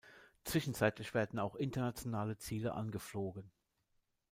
Zwischenzeitlich werden auch internationale Ziele angeflogen.